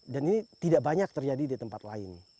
dan ini tidak banyak terjadi di tempat lain